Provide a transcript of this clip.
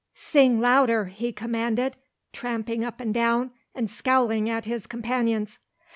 "Sing louder," he commanded, tramping up and down and scowling at his companions.